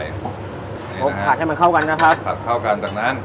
กผัดให้มันเข้ากันนะครับผัดเข้ากันจากนั้น